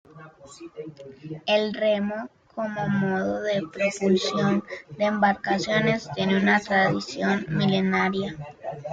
El remo como modo de propulsión de embarcaciones tiene una tradición milenaria.